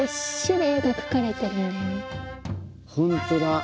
本当だ。